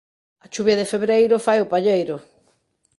A chuvia de febreiro fai o palleiro.